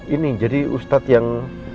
ini jadi ustad yang